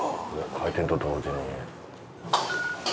開店と同時に。